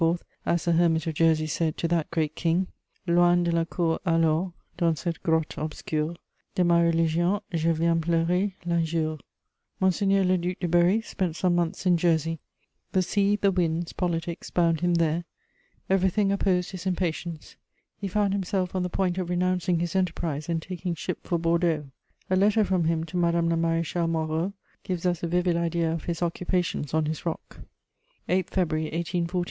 as the hermit of Jersey said to that great king: Loin de la cour alors, dans cette grotte obscure De ma religion je viens pleurer l'injure. "Monseigneur le Duc de Berry spent some months in Jersey; the sea, the winds, politics bound him there. Everything opposed his impatience; he found himself on the point of renouncing his enterprise and taking ship for Bordeaux. A letter from him to Madame la Maréchale Moreau gives us a vivid idea of his occupations on his rock: "'8 February 1814.